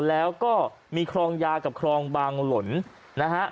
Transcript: แล้วก็มีครองยากับคลองบางหล่นนะฮะ